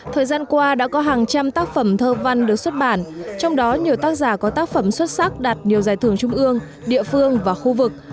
thời gian qua đã có hàng trăm tác phẩm thơ văn được xuất bản trong đó nhiều tác giả có tác phẩm xuất sắc đạt nhiều giải thưởng trung ương địa phương và khu vực